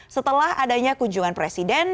setelah adanya kunjungan presiden